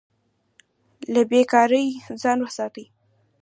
له بې کارۍ ځان وساتئ.